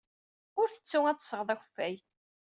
Ur ttettu ad d-tesɣeḍ akeffay.